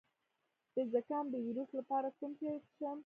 د زکام د ویروس لپاره کوم چای وڅښم؟